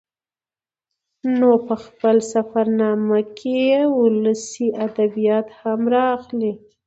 نو په خپله سفر نامه کې يې ولسي ادبيات هم راخلي